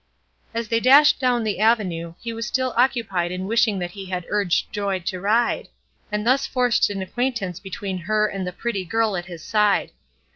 As they dashed down the avenue, he was still occupied in wishing that he had urged Joy to ride, and thus forced an acquaintance between her and the pretty girl at his side.